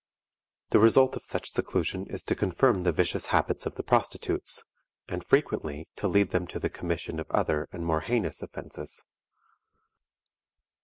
The result of such seclusion is to confirm the vicious habits of the prostitutes, and frequently to lead them to the commission of other and more heinous offenses.